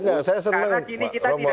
karena gini kita tidak